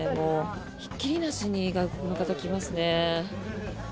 ひっきりになしに外国の方来ますね。